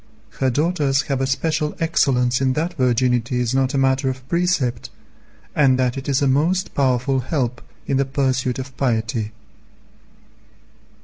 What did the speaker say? Her daughters have a special excellence in that virginity is not a matter of precept, and that it is a most powerful help in the pursuit of piety.